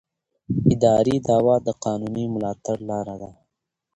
اداري دعوه د قانوني ملاتړ لاره ده.